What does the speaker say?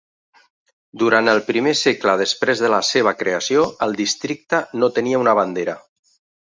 Durant el primer segle després de la seva creació, el Districte no tenia una bandera.